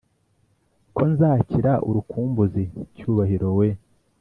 ko nzakira urukumbuzi cyubahiro we,